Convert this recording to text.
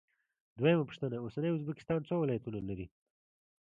دویمه پوښتنه: اوسنی ازبکستان څو ولایتونه لري؟